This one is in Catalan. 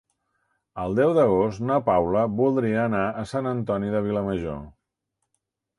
El deu d'agost na Paula voldria anar a Sant Antoni de Vilamajor.